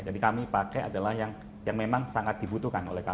jadi kami pakai adalah yang memang sangat dibutuhkan